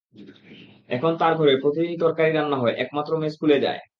এখন তাঁর ঘরে প্রতিদিনই তরকারি রান্না হয়, একমাত্র মেয়ে স্কুলে যায়।